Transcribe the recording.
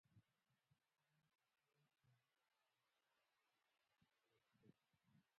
ازادي راډیو د د کار بازار پرمختګ او شاتګ پرتله کړی.